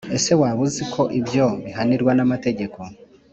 Ese waba uzi ko ibyo bihanirwa na amategeko